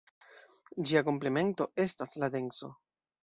Ĝia komplemento estas la denso.